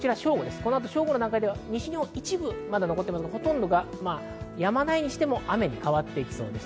この後、正午の段階では、西の一部にまだ残っていますが、ほとんどやまないにしても雨に変わっていきそうです。